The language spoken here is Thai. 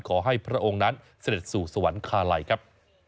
ขอให้พระองค์นั้นเสร็จสู่สวรรคาไลครับ